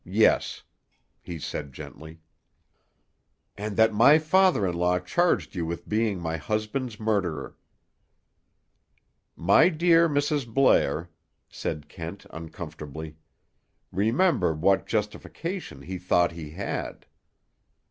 Yes," he said gently. "And that my father in law charged you with being my husband's murderer." "My dear Mrs. Blair!" said Kent uncomfortably. "Remember what justification he thought he had."